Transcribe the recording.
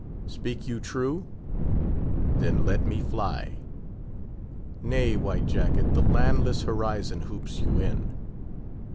Speak you true? Then let me fly! Nay, White Jacket, the landless horizon hoops you in.